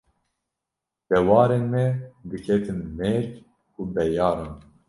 Dewarên me diketin mêrg û beyaran